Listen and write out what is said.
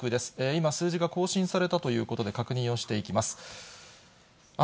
今、数字が更新されたということで、確認をしていきます。